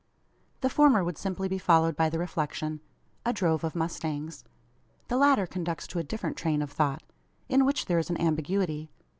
The former would simply be followed by the reflection: "A drove of mustangs." The latter conducts to a different train of thought, in which there is an ambiguity.